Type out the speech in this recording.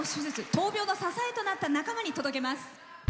闘病の支えとなった仲間に届けます。